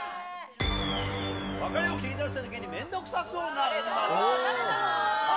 別れを切り出したときに面倒くさそうな女は？